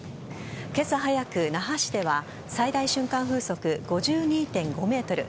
今朝早く、那覇市では最大瞬間風速５２．５メートル